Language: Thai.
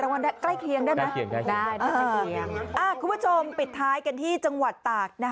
รางวัลใกล้เคียงได้ไหมได้ใกล้เคียงคุณผู้ชมปิดท้ายกันที่จังหวัดตาก